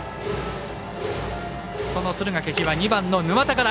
その敦賀気比は２番の沼田から。